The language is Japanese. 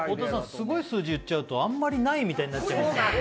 すごい数字を言っちゃうとあんまりないみたいになっちゃう。